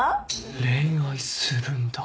恋愛するんだ